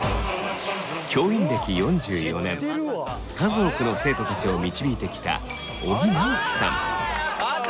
教員歴４４年数多くの生徒たちを導いてきた尾木直樹さん。